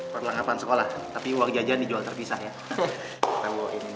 perlengkapan sekolah tapi uang jajan dijual terpisah ya